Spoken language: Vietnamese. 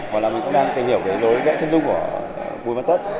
hoặc là mình cũng đang tìm hiểu lối vẽ chân dung của bùi văn tất